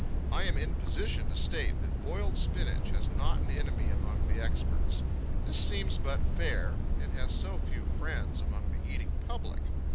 I am tin position to state that boiled spinach has not an enemy among the experts. This seems but fair it has so few friends among the eating public.